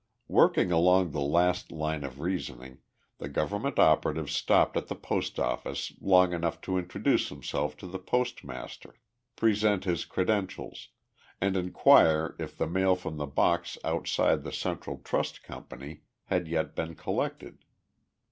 Working along the last line of reasoning, the government operative stopped at the post office long enough to introduce himself to the postmaster, present his credentials, and inquire if the mail from the box outside the Central Trust Company had yet been collected.